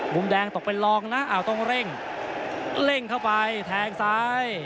มุมแดงตกเป็นรองนะต้องเร่งเร่งเข้าไปแทงซ้าย